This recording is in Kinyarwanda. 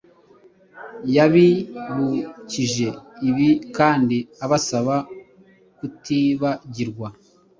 yabibukije ibi kandi abasaba kutibagirwa